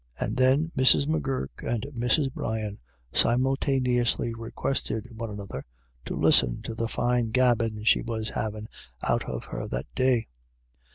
And then Mrs. M'Gurk and Mrs. Brian simultaneously requested one another to listen to the fine gabbin' she was havin' out of her that day.